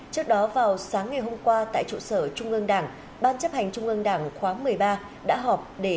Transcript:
trước đó vào sáng ngày hôm qua tại trụ sở trung ương đảng ban chấp hành trung ương đảng khóa một mươi ba đã họp để